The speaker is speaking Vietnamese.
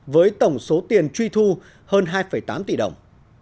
với tổng số tiền truy thu hơn hai tám tỷ đồng